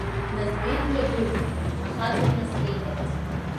Назбеи дҩагылеит, ахаҵа днаскьеигарц.